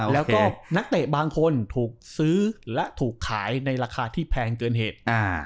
แล้วก็นักเตะบางคนถูกซื้อและถูกขายในราคาที่แพงเกินเหตุ